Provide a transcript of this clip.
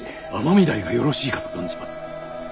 尼御台がよろしいかと存じます。